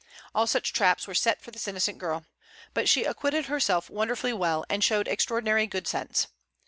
All such traps were set for this innocent girl. But she acquitted herself wonderfully well, and showed extraordinary good sense.